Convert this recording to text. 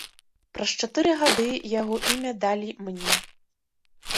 Праз чатыры гады яго імя далі мне.